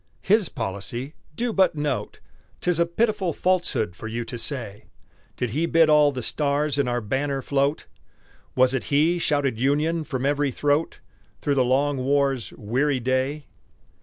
"His policy" do but note! 'Tis a pitiful falsehood for you to say. Did he bid all the stars in our banner float? Was it he shouted Union from every throat Through the long war's weary day?